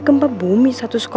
lo mau ngeset aja ya